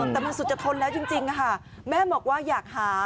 แต่มันสุดจะทนแล้วจริงค่ะแม่บอกว่าอยากหา